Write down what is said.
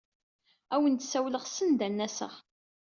Ad awen-d-ssawleɣ send ad n-aseɣ.